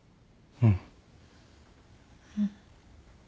うん。